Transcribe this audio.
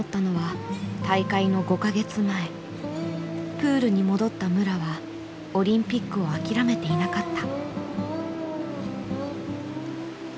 プールに戻った武良はオリンピックを諦めていなかった。